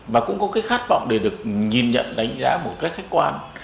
và cũng có cái khát vọng để được nhìn nhận đánh giá một cách khách quan